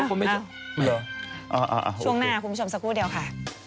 อ่าคงไม่ชอบหรออ่าอ่าช่วงหน้าคุณผู้ชมสักครู่เดียวค่ะ